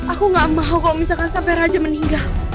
aku gak mau kalau misalkan sampai raja meninggal